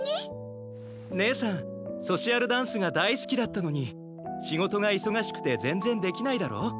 ねえさんソシアルダンスがだいすきだったのにしごとがいそがしくてぜんぜんできないだろ？